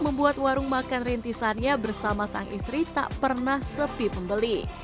membuat warung makan rintisannya bersama sang istri tak pernah sepi pembeli